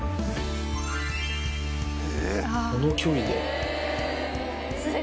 この距離で。